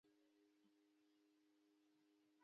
د بوټس وایډ تر ټولو لوی دی.